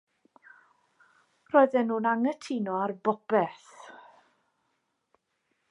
Roedden nhw'n anghytuno ar bopeth.